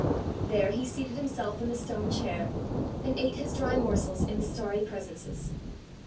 There he seated himself in the stone chair, and ate his dry morsels in the starry presences.